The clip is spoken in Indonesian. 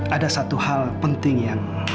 ada satu hal penting yang